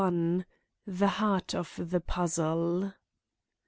XXI. THE HEART OF THE PUZZLE.